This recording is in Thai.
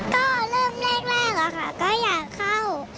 ก็เริ่มแรกก็อยากเข้า